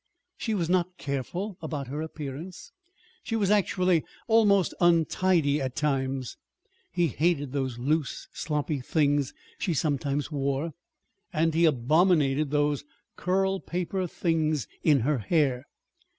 She was not careful about her appearance. She was actually almost untidy at times. He hated those loose, sloppy things she sometimes wore, and he abominated those curl paper things in her hair.